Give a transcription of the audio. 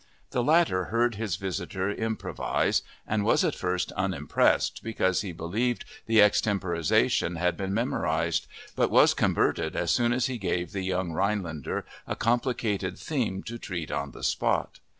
The latter heard his visitor improvise and was at first unimpressed because he believed the extemporization had been "memorized," but was converted as soon as he gave the young Rhinelander a complicated theme to treat on the spot.